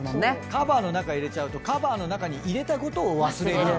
カバーの中入れちゃうとカバーの中に入れたことを忘れる。